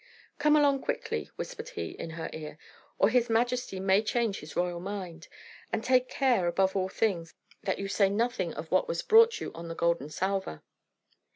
"Come along quickly," whispered he in her ear, "or His Majesty may change his royal mind. And take care, above all things, that you say nothing of what was brought you on the golden salver."